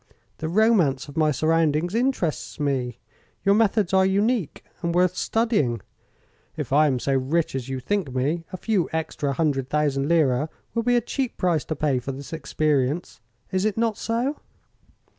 The romance of my surroundings interests me; your methods are unique and worth studying; if I am so rich as you think me a few extra hundred thousand lira will be a cheap price to pay for this experience. Is it not so?"